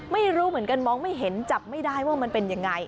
ไม่รู้เหมือนกันมองไม่เห็นจับไม่ได้ว่ามันเป็นยังไง